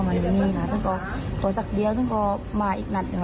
วันทางนี้น่าต้องก่อนประกฎเดี๋ยวทนกดมาอีกหนักอย่าง